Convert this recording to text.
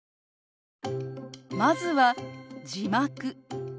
まずは「字幕」。